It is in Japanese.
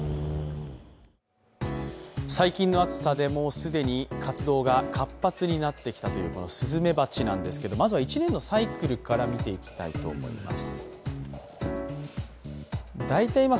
最近の暑さでもう既に活動が活発になってきたというすずめばちですけど、１年のサイクルから見ていきたいと思います。